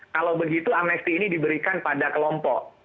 kalau begitu amnesti ini diberikan pada kelompok